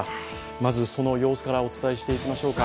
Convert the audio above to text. まずその様子からお伝えしていきましょうか。